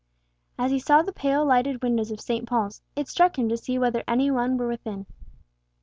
As he saw the pale lighted windows of St. Paul's, it struck him to see whether any one were within.